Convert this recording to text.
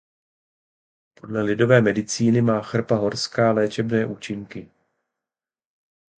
Podle lidové medicíny má chrpa horská léčebné účinky.